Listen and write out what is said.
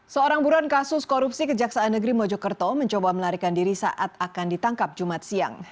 seorang buruan kasus korupsi kejaksaan negeri mojokerto mencoba melarikan diri saat akan ditangkap jumat siang